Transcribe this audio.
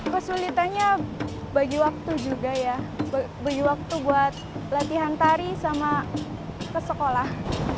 kesulitannya bagi waktu juga ya bagi waktu buat latihan tari sama ke sekolah